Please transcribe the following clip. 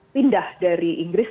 pindah dari inggris